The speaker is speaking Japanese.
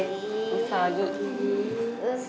うさぎ。